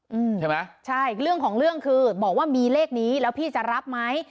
อืมใช่ไหมใช่เรื่องของเรื่องคือบอกว่ามีเลขนี้แล้วพี่จะรับไหม